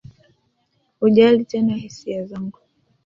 hujali tena hisia zangu